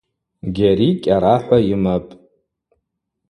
Гьари кӏьарахӏва йымапӏ.